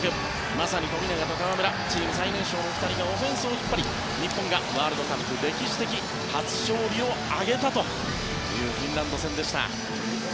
まさに富永と河村のチーム最年少の２人がオフェンスを引っ張り日本がワールドカップ歴史的初勝利を挙げたというフィンランド戦でした。